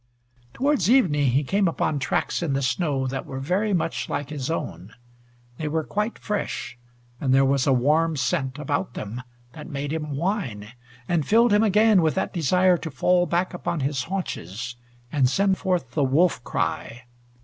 Toward evening he came upon tracks in the snow that were very much like his own. They were quite fresh, and there was a warm scent about them that made him whine, and filled him again with that desire to fall back upon his haunches and send forth the wolf cry.